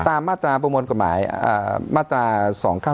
ตามมาตราประมวลกฎหมายมาตรา๒๙๑ครับ